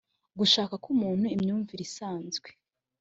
gushaka k umuntu imyumvire isanzwe